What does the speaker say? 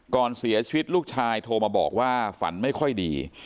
ก่อนเสียชีวิตลูกชายโทรมาบอกว่าฝันไม่ค่อยดี